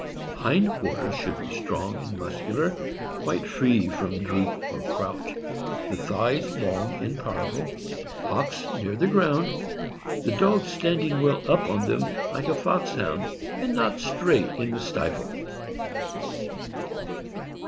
Hind quarters should be strong and muscular, quite free from droop or crouch; the thighs long and powerful; hocks near the ground, the dog standing well up on them like a Foxhound, and not straight in the stifle.